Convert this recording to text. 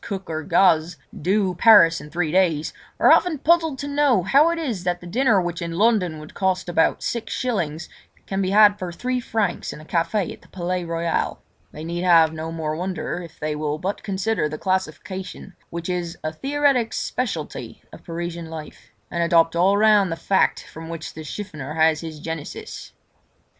Cook or Gaze, "do" Paris in three days, are often puzzled to know how it is that the dinner which in London would cost about six shillings, can be had for three francs in a café in the Palais Royal. They need have no more wonder if they will but consider the classification which is a theoretic speciality of Parisian life, and adopt all round the fact from which the chiffonier has his genesis.